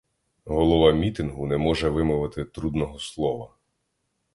Голова мітингу не може вимовити трудного слова.